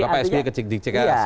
pak sbe ke cikeas ya